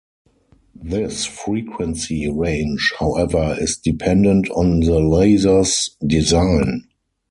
This frequency range however is dependent on the laser's design.